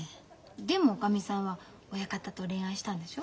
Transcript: でもおかみさんは親方と恋愛したんでしょ？